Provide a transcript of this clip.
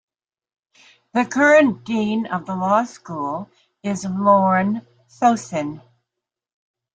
The current dean of the law school is Lorne Sossin.